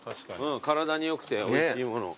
体によくておいしいものを。